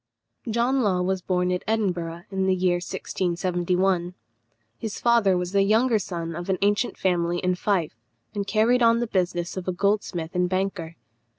John Law was born at Edinburgh in the year 1671. His father was the younger son of an ancient family in Fife, and carried on the business of a goldsmith and banker.